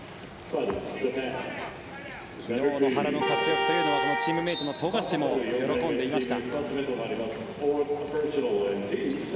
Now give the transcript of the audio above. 昨日の原の活躍をチームメートの富樫も喜んでいました。